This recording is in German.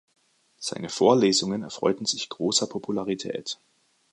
Seine Vorlesungen erfreuten sich großer Popularität.